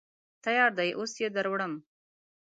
_تيار دی، اوس يې دروړم.